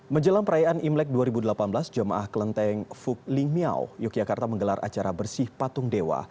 menjelang perayaan imlek dua ribu delapan belas jemaah kelenteng fukling miao yogyakarta menggelar acara bersih patung dewa